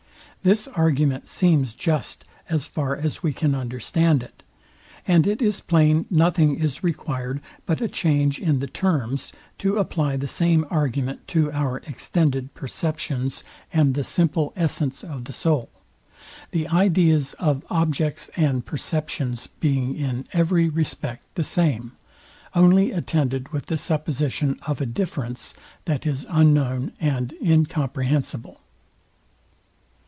This argument seems just, as far as we can understand it; and it is plain nothing is required, but a change in the terms, to apply the same argument to our extended perceptions, and the simple essence of the soul; the ideas of objects and perceptions being in every respect the same, only attended with the supposition of a difference, that is unknown and incomprehensible.